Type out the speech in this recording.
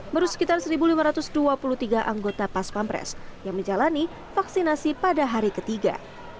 merugi sekitar satu lima ratus dua puluh tiga anggota pas pampres yang menjalani vaksinasi pada hari ketiga